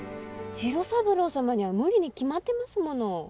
次郎三郎様には無理に決まってますもの。